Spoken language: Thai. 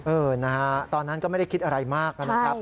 เออนะฮะตอนนั้นก็ไม่ได้คิดอะไรมากนะครับ